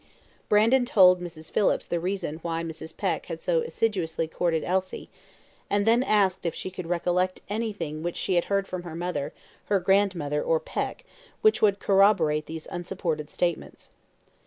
Brandon told Mrs. Phillips the reason why Mrs. Peck had so assiduously courted Elsie, and then asked if she could recollect anything which she had heard from her mother, her grandmother, or Peck, which would corroborate these unsupported statements.